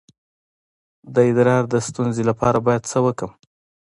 د ادرار د ستونزې لپاره باید څه وکړم؟